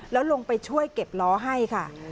แล้วลงไปช่วยเก็บล้อให้ค่ะ